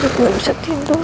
saya tidak bisa tidur